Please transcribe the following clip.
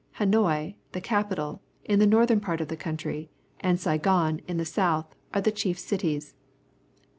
Hanoi, the capital, in the northern part of the country, and Saigon, in the south, are the chief cities.